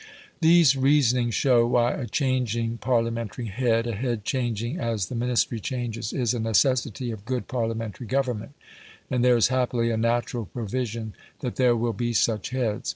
These reasonings show why a changing Parliamentary head, a head changing as the Ministry changes, is a necessity of good Parliamentary government, and there is happily a natural provision that there will be such heads.